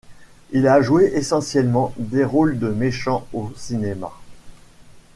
Il a joué essentiellement des rôles de méchants au cinéma.